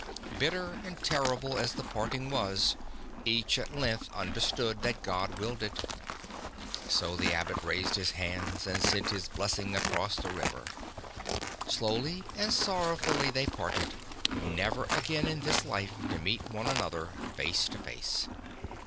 Bitter and terrible as the parting was, each at length understood that God willed it. So the Abbot raised his hands and sent his blessing across the river. Slowly and sorrowfully they parted, never again in this life to meet one another face to face.